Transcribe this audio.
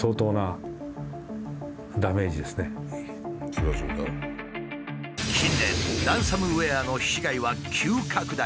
近年ランサムウエアの被害は急拡大している。